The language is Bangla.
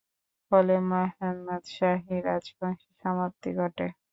ফলে মুহাম্মদ শাহি রাজবংশের সমাপ্তি ঘটে।